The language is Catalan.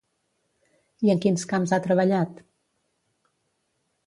I en quins camps ha treballat?